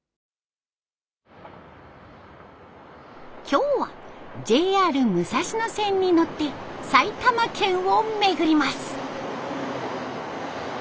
今日はＪＲ武蔵野線に乗って埼玉県を巡ります。